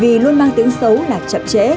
vì luôn mang tiếng xấu là chậm trễ